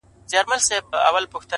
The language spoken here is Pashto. • په واړه کور کي له ورور سره دښمن یو ,